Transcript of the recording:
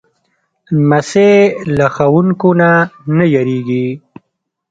لمسی له ښوونکو نه نه وېرېږي.